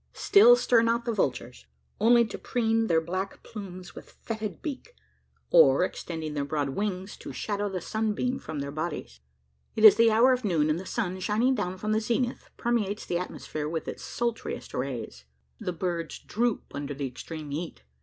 Still stir not the vultures: only to preen their black plumes with fetid beak; or, extending their broad wings, to shadow the sunbeam from their bodies. It is the hour of noon; and the sun, shining down from the zenith, permeates the atmosphere with his sultriest rays. The birds droop under the extreme heat.